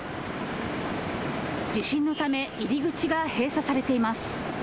地震のため、え入り口が閉鎖されています。